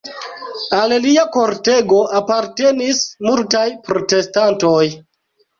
Al lia kortego apartenis multaj protestantoj.